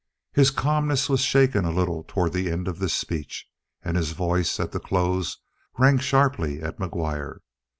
His calmness was shaken a little toward the end of this speech and his voice, at the close, rang sharply at McGuire.